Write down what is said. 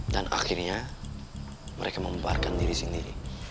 akhirnya mereka membuarkan diri sendiri